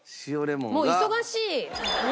もう忙しい。